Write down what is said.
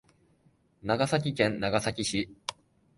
長崎県長崎市